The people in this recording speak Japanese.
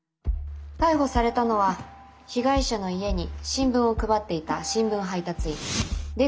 逮捕されたのは被害者の家に新聞を配っていた新聞配達員出口聖大当時４０歳。